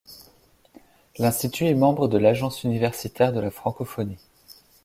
L'Institut est membre de l'Agence universitaire de la Francophonie.